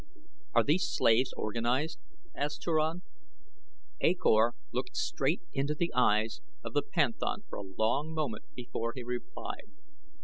"Are these slaves organized?" asked Turan. A Kor looked straight into the eyes of the panthan for a long moment before he replied.